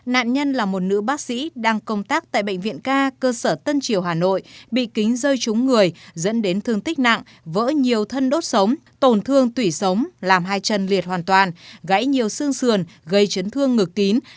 nạn nhân là một nữ bác sĩ đang công tác tại bệnh viện ca cơ sở tân triều hà nội bị kính rơi trúng người dẫn đến thương tích nặng vỡ nhiều thân đốt sống tổn thương tủy sống làm hai chân liệt hoàn toàn gãy nhiều xương gây chấn thương ngực kín